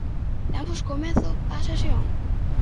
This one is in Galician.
Damos comezo á sesión.